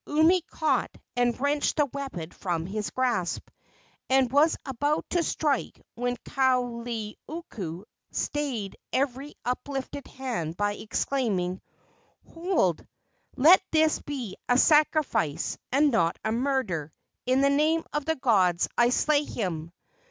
Umi caught and wrenched the weapon from his grasp, and was about to strike when Kaoleioku stayed every uplifted hand by exclaiming: "Hold! Let this be a sacrifice, and not a murder! In the name of the gods I slay him!"